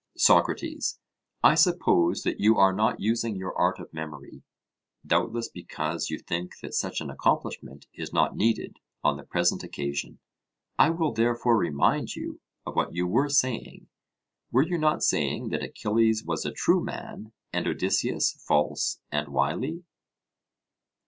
SOCRATES: I suppose that you are not using your art of memory, doubtless because you think that such an accomplishment is not needed on the present occasion. I will therefore remind you of what you were saying: were you not saying that Achilles was a true man, and Odysseus false and wily?